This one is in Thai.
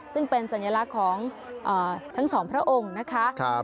ซึ่งเป็นสัญลักษณ์ของทั้งสองพระองค์นะคะ